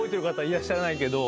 いらっしゃらないけど。